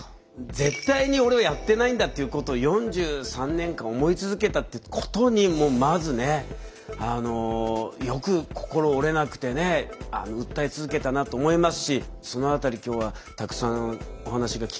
絶対に俺はやってないんだっていうことを４３年間思い続けたってことにもうまずねよく心折れなくてね訴え続けたなと思いますしその辺り今日はたくさんお話が聞けたらなと思います。